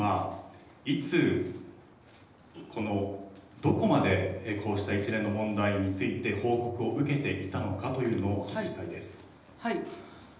どこまでこうした一連の問題について報告を受けていたのいたかというのをお伺いしたいです。